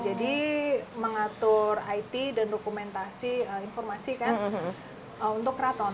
jadi mengatur it dan dokumentasi informasi kan untuk kraton